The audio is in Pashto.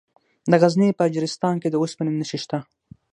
د غزني په اجرستان کې د اوسپنې نښې شته.